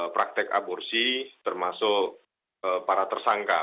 praktek aborsi termasuk para tersangka